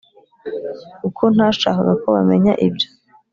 kuko ntashakaga ko bamenya ibyo